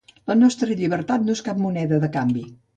La nostra llibertat no és cap moneda de canvi.